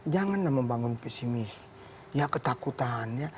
janganlah membangun pesimis ya ketakutan